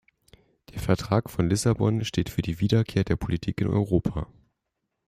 Der Vertrag von Lissabon steht für die Wiederkehr der Politik in Europa.